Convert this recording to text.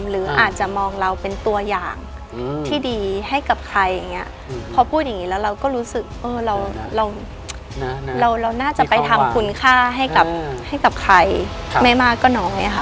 หรืออาจจะมองเราเป็นตัวอย่างที่ดีให้กับใครอย่างเงี้ยพอพูดอย่างนี้แล้วเราก็รู้สึกเราน่าจะไปทำคุณค่าให้กับใครไม่มากก็น้อยค่ะ